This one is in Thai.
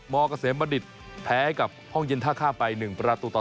มกระเสมบรรดิษฐ์แพ้กับห้องเย็นท่าข้ามไป๑ประตูต่อ๒